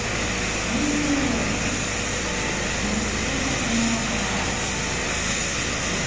おいしいですね、これ。